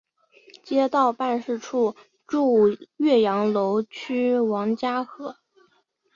街道办事处驻岳阳楼区王家河。